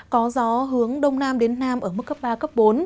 có gió hướng đông nam đến nam ở mức cấp ba cấp bốn